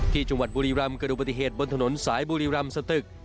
ที่จังหวัดบุรีรำเกิดดูปฏิเหตุบนถนนสายบุรีรำสตึก